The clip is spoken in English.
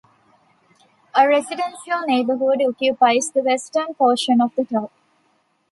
A residential neighborhood occupies the western portion of the top.